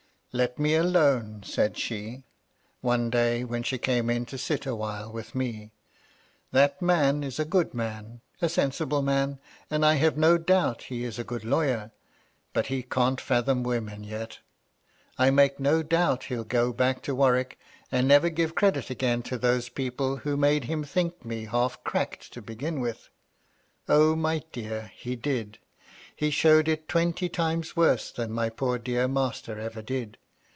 " Let me alone," said she, one day when she came in to sit awhile with me. *' That man is a good man — a sensible man — and, I have no doubt, he is a good lawyer ; but he can't fathom women yet. I make no doubt he'll go back to Warwick, and never give credit again to those people who made him think me half cracked to begin with. O, my dear, he did! He showed it twenty times worse than my poor dear master ever did.